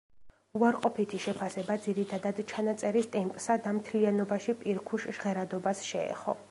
უარყოფითი შეფასება ძირითადად ჩანაწერის ტემპსა და მთლიანობაში პირქუშ ჟღერადობას შეეხო.